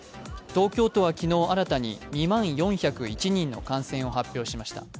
東京都は昨日新たに２万４０１人の感染を発表しました。